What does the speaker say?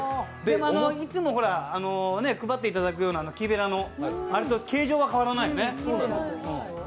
いつも配っていただくような木べらと、形状は変わらないよね。